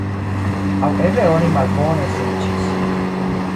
Aŭ eble oni malbone serĉis.